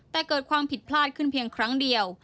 แต่เกิดความผิดพลาดขึ้นเพียงครั้งเดียว